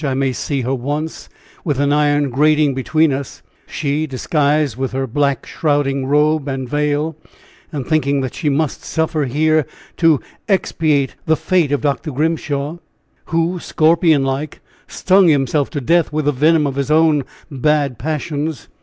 I may see her once, with an iron grating between us; she disguised with her black shrouding robe and veil, and thinking that she must suffer here to expiate the fate of Dr. Grimshaw, who, scorpion like, stung himself to death with the venom of his own bad passions.